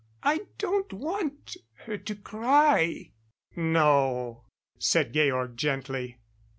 I don't want her to cry " "No," said Georg gently.